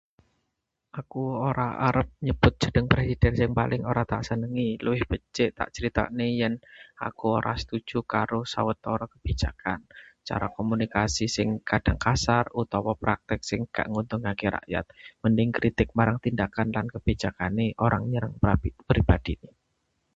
Aku ora arep nyebut jeneng presiden sing paling ora tak senengi. Luwih becik tak critakna yen aku ora setuju karo sawetara kebijakan, cara komunikasi sing kadhang kasar, utawa praktik sing ga nguntungke rakyat. Mending kritik marang tindakane lan kebijakan, ora nyerang pribadine.